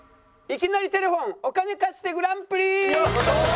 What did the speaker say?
いきなりテレフォンお金貸してグランプリ！